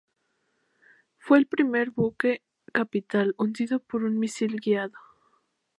Fue el primer buque capital hundido por un misil guiado.